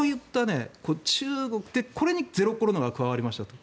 これにゼロコロナ政策が加わりましたと。